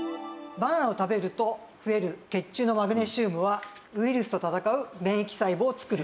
バナナを食べると増える血中のマグネシウムはウイルスと戦う免疫細胞を作る。